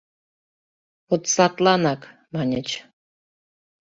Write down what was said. — «Вот садланак, — маньыч.